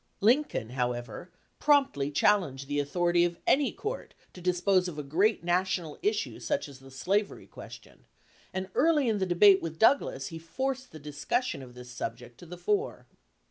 Lincoln, however, promptly challenged the authority of any court to dispose of a great national issue such as the slavery question, and early in the debate with Douglas he forced the discussion of this subject to the fore.